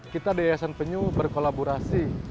kita di yayasan penyu berkolaborasi dengan pak patut